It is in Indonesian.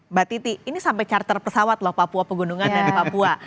mbak titi ini sampai charter pesawat loh papua pegunungan dan papua